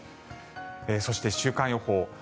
そして、週間予報。